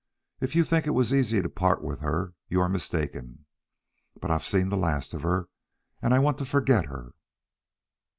If you think it was easy to part with her, you are mistaken. But I've seen the last of her, and I want to forget her."